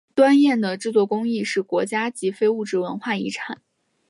端砚的制作技艺是国家级非物质文化遗产。